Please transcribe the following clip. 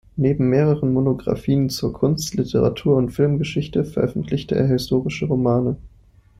Neben mehreren Monografien zur Kunst-, Literatur- und Filmgeschichte veröffentlichte er historische Romane.